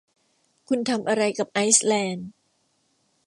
คุณทำอะไรกับไอซ์แลนด์ ?